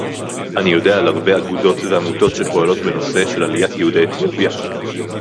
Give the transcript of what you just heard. אני יודע על הרבה אגודות ועמותות שפועלות בנושא של עליית יהודי אתיופיה